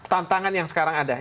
tantangan yang sekarang ada